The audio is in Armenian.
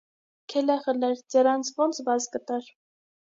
Քելեխ ըլեր, ձեռաց ո՜նց վազ կտար: